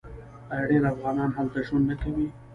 آیا ډیر افغانان هلته ژوند نه کوي؟